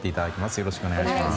よろしくお願いします。